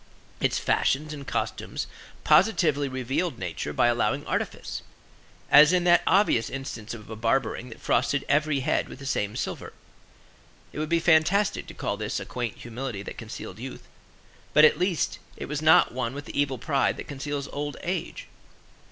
Its fashions and costumes positively revealed nature by allowing artifice; as in that obvious instance of a barbering that frosted every head with the same silver. It would be fantastic to call this a quaint humility that concealed youth; but, at least, it was not one with the evil pride that conceals old age.